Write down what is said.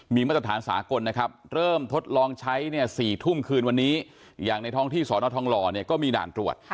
มีมาตรฐานสากลนะครับเริ่มทดลองใช้เนี่ย๔ทุ่มคืนวันนี้อย่างในท้องที่สอนอทองหล่อเนี่ยก็มีด่านตรวจ